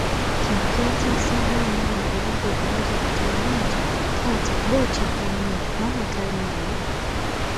Kino kyatiisaamu omwana era kwe kubuuza kitaawe nti, “Taata ng’otidde nnyo, maama taliiyo?”